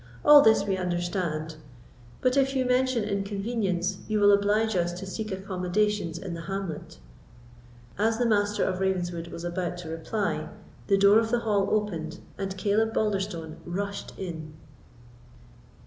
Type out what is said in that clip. All this we understand; but if you mention inconvenience, you will oblige us to seek accommodations in the hamlet." As the Master of Ravenswood was about to reply, the door of the hall opened, and Caleb Balderstone rushed in.